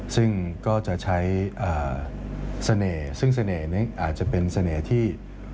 ซึ่งก็จะใช้เสน่ห์ซึ่งเสน่ห์นี้อาจจะเป็นเสน่ห์ที่